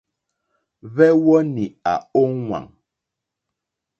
Hwɛ́wɔ́nì à ówàŋ.